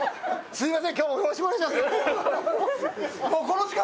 すいません今日。